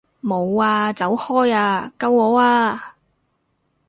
冇啊！走開啊！救我啊！